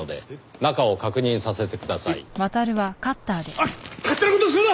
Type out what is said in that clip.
あっ勝手な事するな！